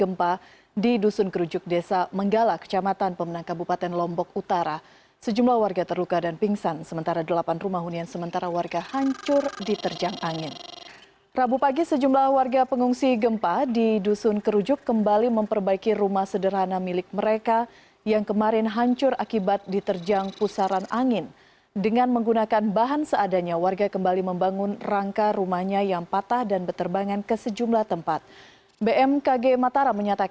menyebabkan perbedaan tekanan udara di tempat tersebut dengan wilayah di sekitarnya